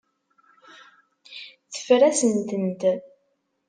Teffer-asent-tent.